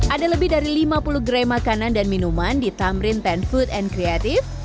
ada lebih dari lima puluh gram makanan dan minuman di tamrin ten food creative